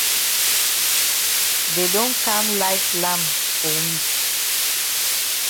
Dey don kam light lamp for we.